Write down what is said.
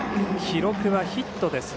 記録はヒットです。